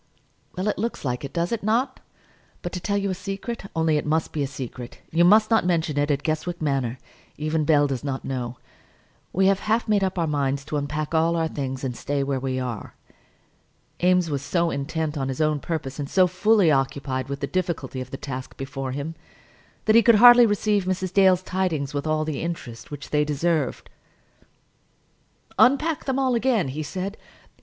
"Well, it looks like it, does it not? But, to tell you a secret, only it must be a secret; you must not mention it at Guestwick Manor; even Bell does not know; we have half made up our minds to unpack all our things and stay where we are." Eames was so intent on his own purpose, and so fully occupied with the difficulty of the task before him, that he could hardly receive Mrs. Dale's tidings with all the interest which they deserved. "Unpack them all again," he said.